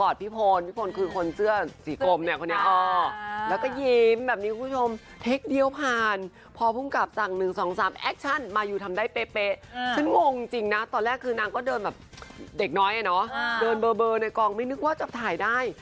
เด็กน้อยเนี่ยเนาะเดินเบอร์ในกลางไม่นึกว่าจะถ่ายได้